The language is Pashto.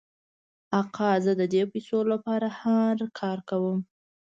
آقا زه د دې پیسو لپاره هر کار کوم.